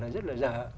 rất là dở